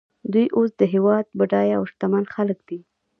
دوی اوس د هېواد بډایه او شتمن خلک دي